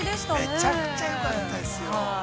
◆めちゃくちゃよかったですよ。